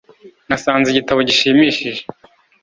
nasanze igitabo gishimishije